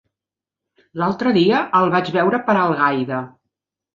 L'altre dia el vaig veure per Algaida.